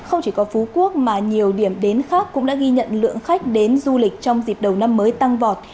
không chỉ có phú quốc mà nhiều điểm đến khác cũng đã ghi nhận lượng khách đến du lịch trong dịp đầu năm mới tăng vọt